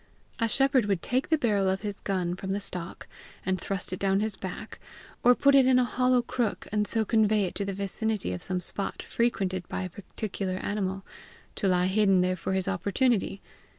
A shepherd would take the barrel of his gun from the stock, and thrust it down his back, or put it in a hollow crook, and so convey it to the vicinity of some spot frequented by a particular animal, to lie hidden there for his opportunity.